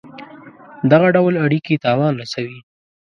دغه ډول اړېکي تاوان رسوي.